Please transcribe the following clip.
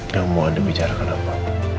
jangan mau anda bicara ke nama